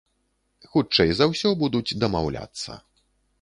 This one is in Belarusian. Хутчэй за ўсё, будуць дамаўляцца.